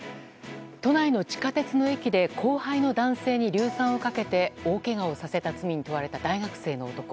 都内の地下鉄の駅で後輩の男性に硫酸をかけて大けがをさせた罪に問われた大学生に男。